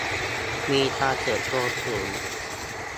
มีการเติบโตสูง